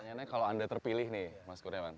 pilihan mereka kalau anda terpilih nih mas kurniawan